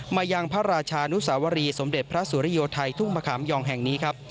มายังพระราชานุสาวรีสมเด็จพระสุริโยไทยทุ่งมะขามยองแห่งนี้ครับ